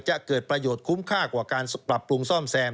จะเกิดประโยชน์คุ้มค่ากว่าการปรับปรุงซ่อมแซม